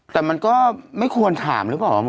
แต่มันก็ไม่ควรถามหรือเปล่า